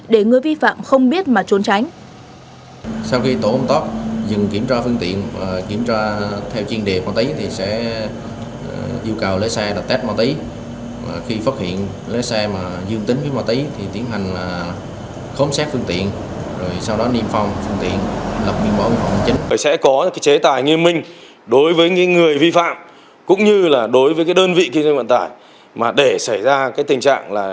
để người vi phạm không biết mà trốn tránh